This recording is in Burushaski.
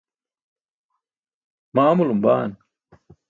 ma amulum baan?